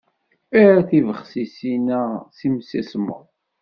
Err tibexsisin-a s imsismeḍ.